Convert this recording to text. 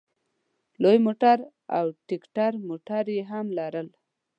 لوی موټر او ټیکټر موټر یې هم لرل.